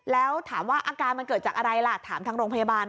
แล้วถามว่าอาการมันเกิดจากอะไรล่ะถามทางโรงพยาบาล